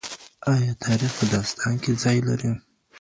آیا تاریخ په داستان کي ځای لري؟